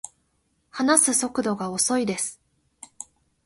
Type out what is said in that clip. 話す速度が遅いです